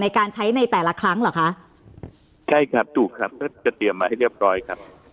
ในการใช้ในแต่ละครั้งเหรอคะใช่ครับถูกครับก็จะเตรียมมาให้เรียบร้อยครับ